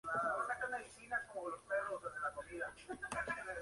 Volvió al año siguiente al Europeo para disputar tres carreras, que no pudo acabar.